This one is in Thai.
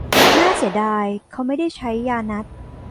น่าเสียดายเขาไม่ได้ใช้ยานัตถ์